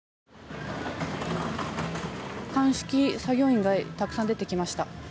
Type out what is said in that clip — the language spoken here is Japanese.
鑑識作業員がたくさん出てきました。